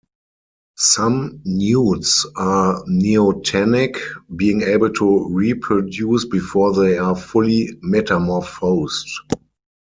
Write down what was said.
Some newts are neotenic, being able to reproduce before they are fully metamorphosed.